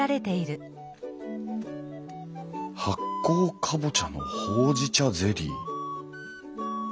「発酵カボチャのほうじ茶ゼリー」？